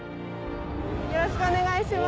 よろしくお願いします。